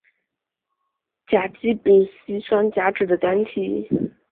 甲基丙烯酸甲酯的单体。